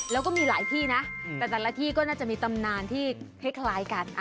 แล้วก็มีหลายที่นะแต่แต่ละที่ก็น่าจะมีตำนานที่คล้ายกัน